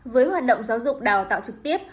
với hoạt động giáo dục đào tạo trực tiếp